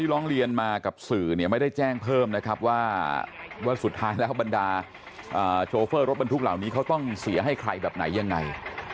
ร้องเรียนมากับสื่อเนี่ยไม่ได้แจ้งเพิ่มนะครับว่าสุดท้ายแล้วบรรดาโชเฟอร์รถบรรทุกเหล่านี้เขาต้องเสียให้ใครแบบไหนยังไง